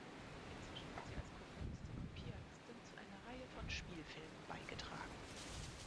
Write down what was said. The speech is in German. Inzwischen hat sie als Komponistin und Pianistin zu einer Reihe von Spielfilmen beigetragen.